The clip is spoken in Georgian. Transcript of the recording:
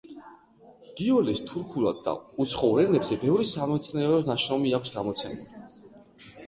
გიოლეს თურქულად და უცხოურ ენებზე ბევრი სამეცნიერო ნაშრომი აქვს გამოცემული.